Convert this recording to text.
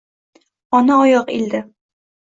Ona oyoq ildi.